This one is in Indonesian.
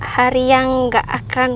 hari yang gak akan